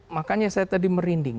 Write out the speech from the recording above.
makanya saya tadi merinding